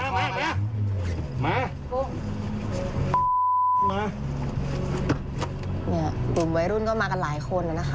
นี่ติดไม่รุ่นก็มากันหลายคนแล้วนะคะ